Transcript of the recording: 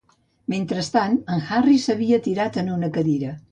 Mentrestant, en Harry s'havia tirat en una cadira.